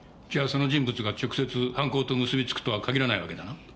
じゃあその人物が直接犯行と結びつくとは限らないわけだな。